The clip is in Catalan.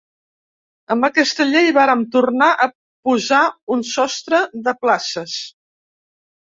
Amb aquesta llei vàrem tornar a posar un sostre de places.